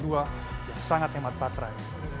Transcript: yang sangat hemat baterai